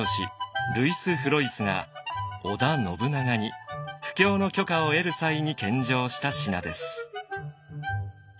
ルイス・フロイスが織田信長に布教の許可を得る際に献上した品です。